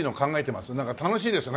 なんか楽しいですね。